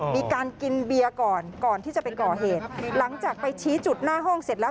มีการกินเบียร์ก่อนก่อนที่จะไปก่อเหตุหลังจากไปชี้จุดหน้าห้องเสร็จแล้ว